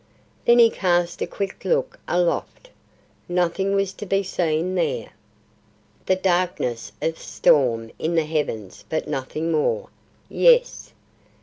Then he cast a quick look aloft. Nothing was to be seen there. The darkness of storm in the heavens but nothing more. Yes!